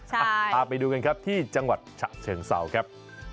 พาไปดูกันครับที่จังหวัดฉะเชิงเศร้าครับ